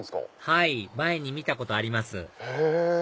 はい前に見たことありますへぇ！